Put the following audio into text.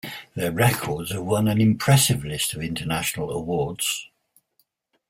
Their records have won an impressive list of international awards.